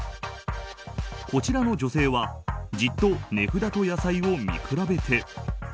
こちらの女性はじっと値札と野菜を見比べて。